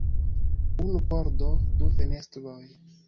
Unu pordo, du fenestroj.